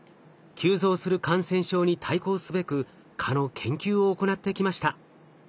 急増する感染症に対抗すべく蚊の研究を行ってきました。